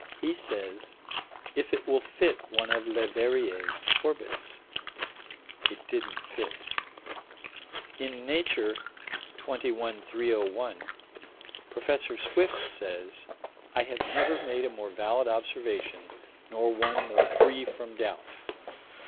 He says: "If it will fit one of Leverrier's orbits" It didn't fit. In Nature, 21 301, Prof. Swift says: "I have never made a more valid observation, nor one more free from doubt."